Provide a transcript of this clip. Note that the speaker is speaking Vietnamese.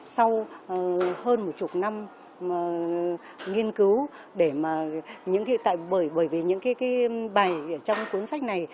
sau hơn một chục năm nghiên cứu bởi vì những bài trong cuốn sách này